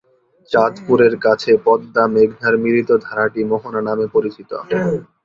চাঁদপুরের কাছে পদ্মা-মেঘনার মিলিত ধারাটি মোহনা নামে পরিচিত।